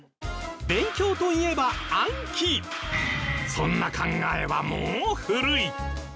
そんな考えはもう古い！